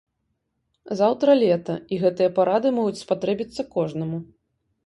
Заўтра лета, і гэтыя парады могуць спатрэбіцца кожнаму.